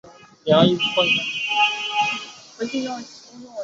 以生产香槟酒最为知名。